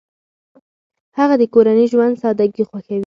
هغه د کورني ژوند سادګي خوښوي.